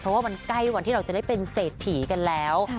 เพราะว่ามันใกล้วันที่เราจะได้เป็นเศรษฐีกันแล้ว